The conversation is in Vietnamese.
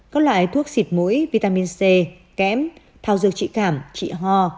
các loại thuốc xịt mũi vitamin c kém thao dược trị cảm trị ho